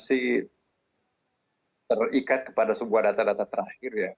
masih terikat kepada sebuah data data terakhir ya